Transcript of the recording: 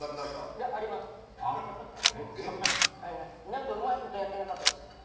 何かうまいこと焼けなかったです。